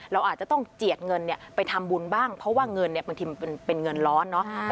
เราอาจจะต้องเจียดเงินไปทำบุญบ้างเพราะว่าเงินเนี่ยบางทีมันเป็นเงินร้อนเนาะ